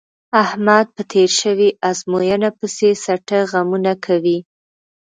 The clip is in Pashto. احمد په تېره شوې ازموینه پسې څټه غمونه کوي.